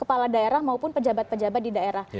kepala daerah maupun pejabat pejabat di daerah